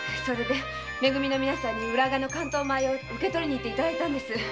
それで「め組」の皆さんに浦賀の関東米を受け取りに行ってもらったんです。